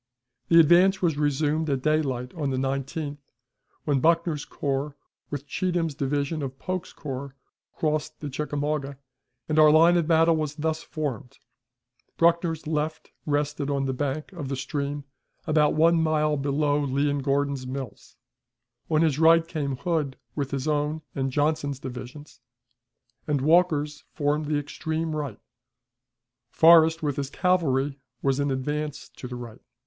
The advance was resumed at daylight on the 19th, when Buckner's corps with Cheatham's division of Polk's corps crossed the Chickamauga, and our line of battle was thus formed: Buckner's left rested on the bank of the stream about one mile below Lee and Gordon's Mills; on his right came Hood with his own and Johnson's divisions, and Walker's formed the extreme right; Forrest with his cavalry was in advance to the right.